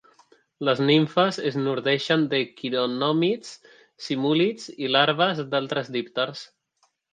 Les nimfes es nodreixen de quironòmids, simúlids i larves d'altres dípters.